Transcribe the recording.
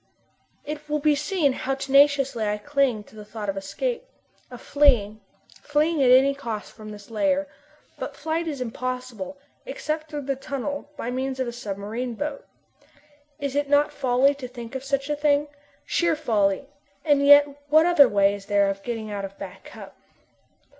It will be seen how tenaciously I cling to the thought of escape of fleeing fleeing at any cost from this lair. But flight is impossible, except through the tunnel, by means of a submarine boat. Is it not folly to think of such a thing? Sheer folly, and yet what other way is there of getting out of Back Cup?